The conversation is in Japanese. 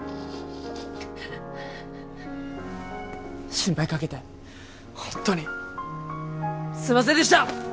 心配かけて本当にすいませんでした。